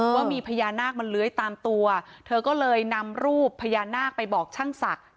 ว่ามีพญานาคมันเลื้อยตามตัวเธอก็เลยนำรูปพญานาคไปบอกช่างศักดิ์